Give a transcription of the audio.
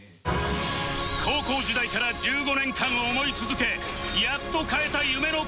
高校時代から１５年間思い続けやっと買えた夢の買い物がこちら